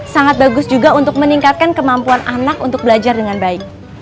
sangat bagus juga untuk meningkatkan kemampuan anak untuk belajar dengan baik